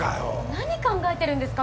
何考えてるんですか？